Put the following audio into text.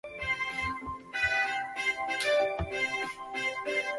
鸥嘴噪鸥为鸥科噪鸥属的鸟类。